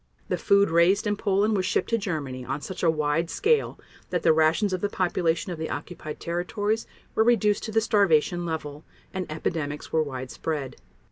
The food raised in Poland was shipped to Germany on such a wide scale that the rations of the population of the occupied territories were reduced to the starvation level, and epidemics were widespread.